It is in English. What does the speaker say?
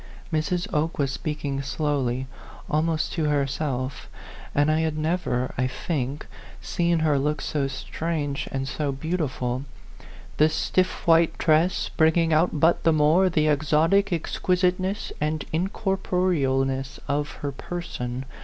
Mrs. Oke was speaking slowly, almost to herself, and I had never, I think, seen her look so strange and so beautiful, the stiff white dress bringing out but the more the exotic exquisiteuess and incorporealness of her person.